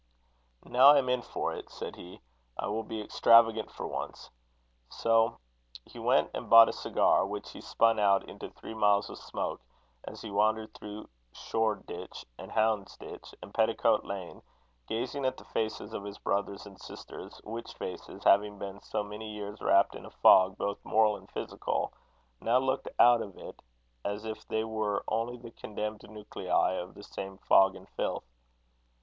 "Now I am in for it," said he, "I will be extravagant for once." So he went and bought a cigar, which he spun out into three miles of smoke, as he wandered through Shoreditch, and Houndsditch, and Petticoat lane, gazing at the faces of his brothers and sisters; which faces having been so many years wrapt in a fog both moral and physical, now looked out of it as if they were only the condensed nuclei of the same fog and filth.